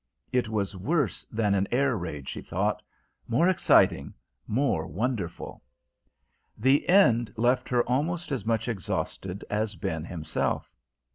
It was worse than an air raid, she thought more exciting, more wonderful. The end left her almost as much exhausted as Ben himself.